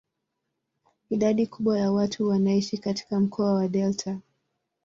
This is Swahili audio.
Idadi kubwa ya watu wanaishi katika mkoa wa delta.